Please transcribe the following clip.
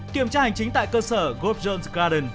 kiểm tra hành chính tại cơ sở golf jones garden